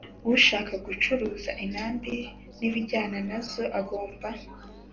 Ushaka gucuruza intambi n ibijyana nazo agomba